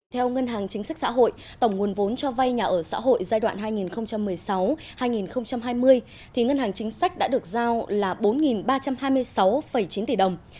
theo ngân hàng chính sách xã hội tổng nguồn vốn cho vay nhà ở xã hội giai đoạn hai nghìn một mươi sáu hai nghìn hai mươi ngân hàng chính sách đã được giao là bốn ba trăm hai mươi sáu chín tỷ đồng